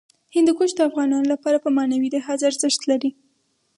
هندوکش د افغانانو لپاره په معنوي لحاظ ارزښت لري.